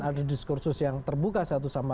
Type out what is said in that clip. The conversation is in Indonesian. ada diskursus yang terbuka satu sama